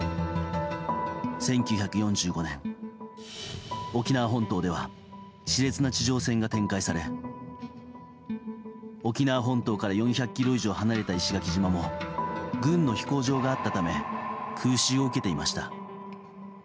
１９４５年、沖縄本島では熾烈な地上戦が展開され沖縄本島から４００ｋｍ以上離れた石垣島も軍の飛行場があったため空襲を受けていました。